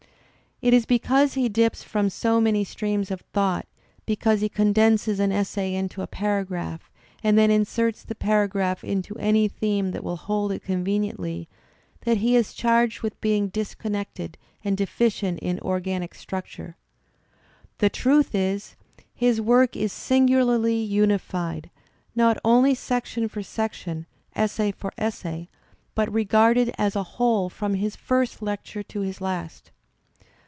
It is because he dips from so many streams of thought. Digitized by Google EMERSON 57 because he condenses an essay into a paragraph and then inserts the paragraph into any theme that will hold it con veniently, that he is charged with being disconnected and deficient in organic structure. The truth is, his work is singularly unified, not only section for section, essay for essay, but regarded as a whole from his first lecture to his last.